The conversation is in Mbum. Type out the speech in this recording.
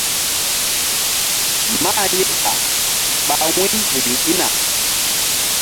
Mah ye ba ɓa wu̧y riŋ ɗina.